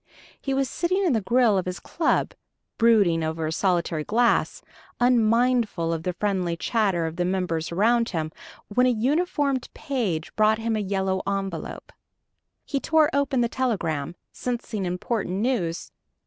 He was sitting in the grill of his club, brooding over a solitary glass, unmindful of the friendly chatter of the members about him, when a uniformed page brought him a yellow envelope. He tore open the telegram, sensing important news.